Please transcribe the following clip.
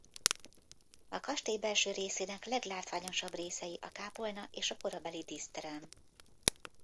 A kastély belső részének leglátványosabb részei a kápolna és a korabeli díszterem.